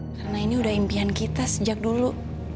karena ini udah impian kita sejak dulu